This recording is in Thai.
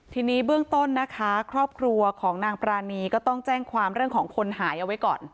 ทีนี้เบื้องต้นนะคะครอบครัวของนางปรานีก็ต้องแจ้งความเรื่องของคนหายเอาไว้ก่อน